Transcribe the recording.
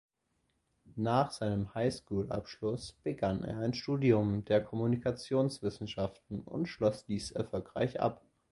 Nach seinem High-School-Abschluss begann er ein Studium der Kommunikationswissenschaften und schloss dieses erfolgreich ab.